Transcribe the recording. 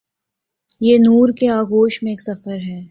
یہ نور کے آغوش میں ایک سفر ہے۔